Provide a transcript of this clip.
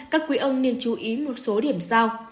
các quỹ ông nên chú ý một số điểm sau